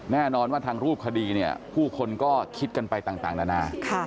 แน่นอนว่าทางรูปคดีเนี่ยผู้คนก็คิดกันไปต่างนานา